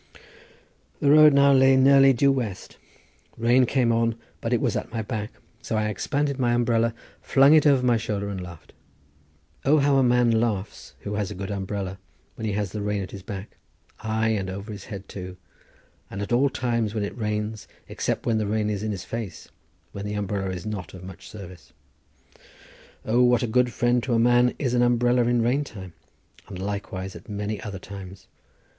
The road now lay nearly due west. Rain came on, but it was at my back, so I expanded my umbrella, flung it over my shoulder and laughed. O, how a man laughs who has a good umbrella when he has the rain at his back, aye and over his head too, and at all times when it rains except when the rain is in his face, when the umbrella is not of much service. O, what a good friend to a man is an umbrella in rain time, and likewise at many other times.